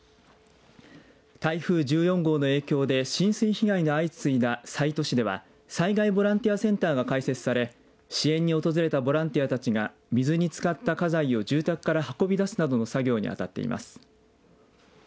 台風１４号の影響で浸水被害が相次いだ西都市では災害ボランティアセンターが開設され支援に訪れたボランティアたちが水につかった家財を住宅から運び出すなどの作業に当たっています。